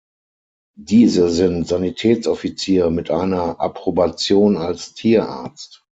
Diese sind Sanitätsoffiziere mit einer Approbation als Tierarzt.